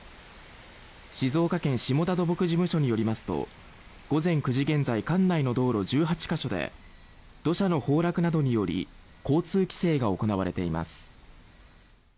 静岡県下田土木事務所によりますと午前９時現在管内の道路１８か所で土砂の崩落などにより交通規制が行われています。